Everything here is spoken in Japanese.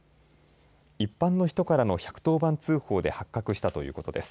一般の人からの１１０番通報で発覚したということです。